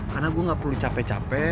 karena gue gak perlu capek capek